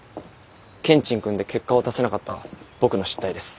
けんちんくんで結果を出せなかった僕の失態です。